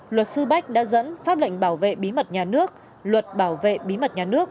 luật sư bách đã dẫn pháp lệnh bảo vệ bí mật nhà nước luật bảo vệ bí mật nhà nước